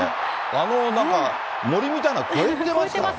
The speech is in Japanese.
あのなんか、森みたいなの越えてますからね。